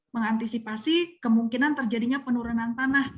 mengantisipasi kemungkinan terjadinya penurunan tanah